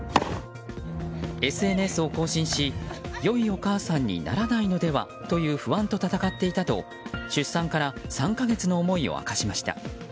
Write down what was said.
ＳＮＳを更新し、良いお母さんにならないのではという不安と闘っていたと、出産から３か月の思いを明かしました。